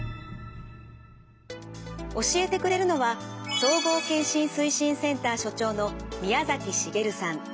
教えてくれるのは総合健診推進センター所長の宮崎滋さん。